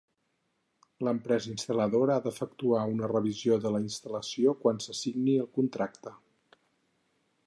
L'empresa instal·ladora ha d'efectuar una revisió de la instal·lació quan se signi el contracte.